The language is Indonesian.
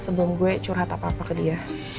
sebelum gue curhat apa apa ke dia